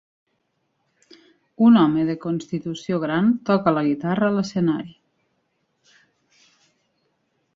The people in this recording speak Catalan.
Un home de constitució gran toca la guitarra a l'escenari.